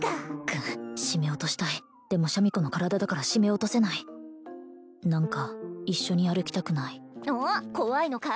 くっ締め落としたいでもシャミ子の体だから締め落とせない何か一緒に歩きたくないおっ怖いのか？